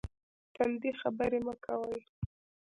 تندې خبرې مه کوئ